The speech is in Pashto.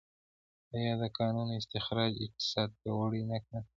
آیا د کانونو استخراج اقتصاد پیاوړی نه کړ؟